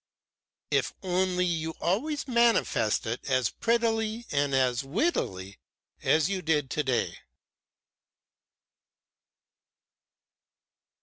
"If only you always manifest it as prettily and as wittily as you did today."